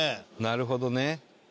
なるほどね。